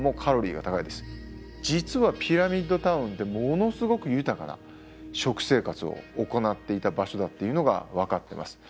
実はピラミッド・タウンってものすごく豊かな食生活を行っていた場所だっていうのが分かってます。